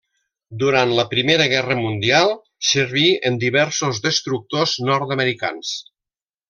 Durant la Primera Guerra Mundial serví en diversos destructors nord-americans.